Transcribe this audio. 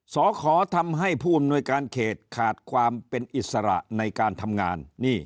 ขอทำให้ผู้อำนวยการเขตขาดความเป็นอิสระในการทำงาน